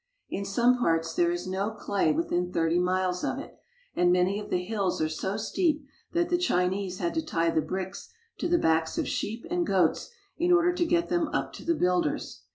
In some parts, there is no clay within thirty miles of it, and many of the hills are so steep that the Chinese had to tie the bricks to the backs of sheep and goats in order to get them up to the builders.